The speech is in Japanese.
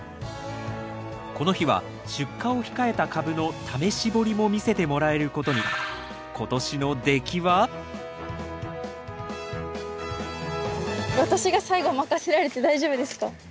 この日は出荷を控えた株の試し掘りも見せてもらえることに私が最後任せられて大丈夫ですか？